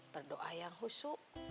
berdoa yang husu